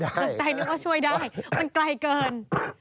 ตกใจนึกว่าช่วยได้มันไกลเกิน